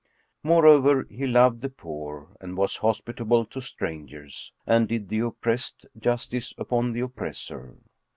Moreover, he loved the poor and was hospitable to strangers and did the oppressed justice upon the oppressor.